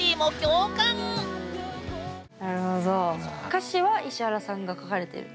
歌詞は石原さんが書かれてる。